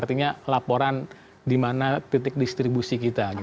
artinya laporan di mana titik distribusi kita